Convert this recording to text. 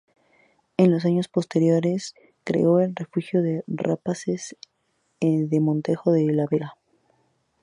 En los años posteriores creó el Refugio de Rapaces de Montejo de la Vega.